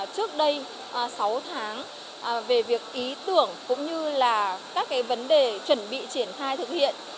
trước đây sáu tháng về việc ý tưởng cũng như là các vấn đề chuẩn bị triển khai thực hiện